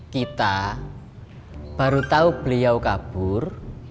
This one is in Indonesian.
kita baru tahu beliau kabur